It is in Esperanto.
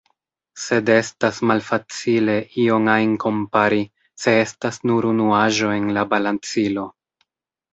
Sed estas malfacile ion ajn kompari, se estas nur unu aĵo en la balancilo.